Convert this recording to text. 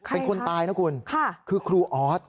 เป็นคนตายนะคุณคือครูออส